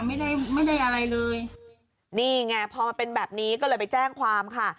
ไม่ได้ไม่ได้อะไรเลยนี่ไงพอมันเป็นแบบนี้ก็เลยไปแจ้งความค่ะ